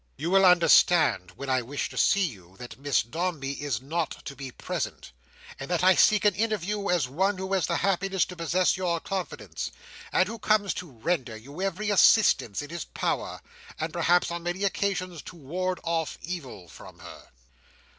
"You will understand, when I wish to see you, that Miss Dombey is not to be present; and that I seek an interview as one who has the happiness to possess your confidence, and who comes to render you every assistance in his power, and, perhaps, on many occasions, to ward off evil from her?"